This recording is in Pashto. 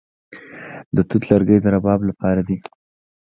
د توت لرګي د رباب لپاره دي.